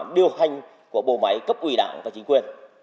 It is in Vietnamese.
điều hành của bộ máy cấp ủy đảng và chính quyền